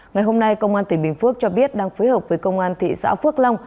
ngày hôm nay công an tỉnh bình phước cho biết đang phối hợp với công an thị xã phước long